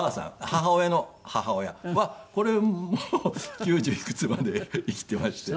母親の母親はこれも九十いくつまで生きていまして。